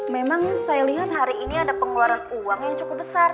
memang saya lihat hari ini ada pengeluaran uang yang cukup besar